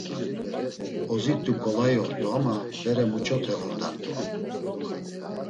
Ozit̆u ǩolai ort̆u ama bere muç̌ote ordart̆u?